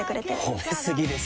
褒め過ぎですよ。